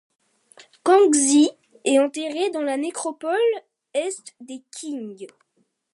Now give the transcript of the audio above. Kangxi est enterré dans la nécropole est des Qing.